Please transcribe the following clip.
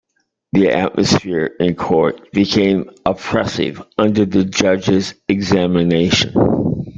The atmosphere in court became oppressive under the judge’s examination.